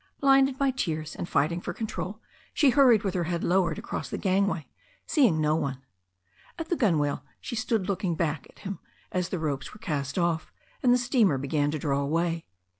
Blinded by tears and fighting for control, she hurried with her head lowered across the gangway, seeing no one. At the gunwale she stood looking back at him as the ropes were cast off and the steamer began to draw away.